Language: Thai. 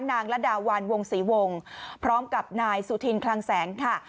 ละดาวันวงศรีวงพร้อมกับนายสุธินคลังแสงค่ะ